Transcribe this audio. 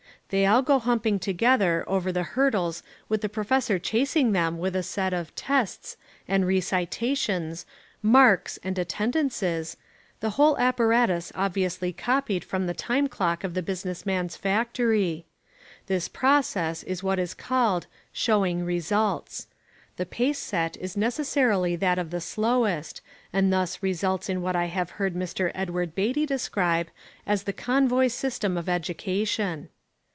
They all go humping together over the hurdles with the professor chasing them with a set of "tests" and "recitations," "marks" and "attendances," the whole apparatus obviously copied from the time clock of the business man's factory. This process is what is called "showing results." The pace set is necessarily that of the slowest, and thus results in what I have heard Mr. Edward Beatty describe as the "convoy system of education."